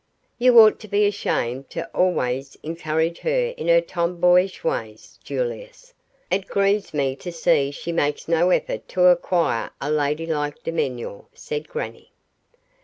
"You ought to be ashamed to always encourage her in her tomboyish ways, Julius. It grieves me to see she makes no effort to acquire a ladylike demeanour," said grannie.